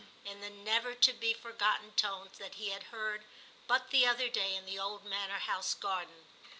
' in the never to be forgotten tones that he had heard but the other day in the old manor house garden.